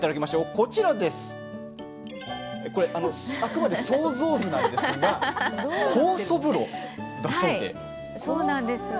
これはあくまで想像図なんですが酵素風呂だそうで。